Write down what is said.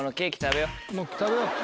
もう食べよう。